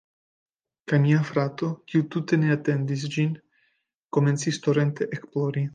Kaj mia frato, kiu tute ne atendis ĝin, komencis torente ekplori.